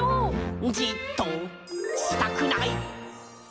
「じっとしたくない！」